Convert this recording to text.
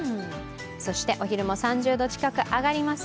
そして、お昼も３０度近く上がります。